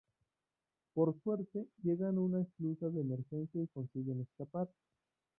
Por suerte llegan a una esclusa de emergencia y consiguen escapar.